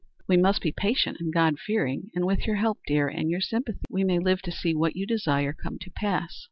"We must be patient and God fearing, and with your help, dear, and your sympathy, we may live to see what you desire come to pass.